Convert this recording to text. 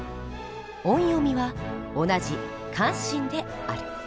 音読みは同じ「カンシン」である。